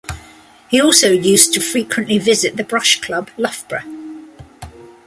He also used to frequently visit the Brush club, Loughborough.